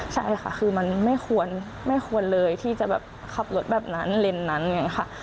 ใช่ค่ะคือมันไม่ควรเลยที่จะแบบขับรถแบบนั้นเลนส์นั้นอย่างนี้ค่ะ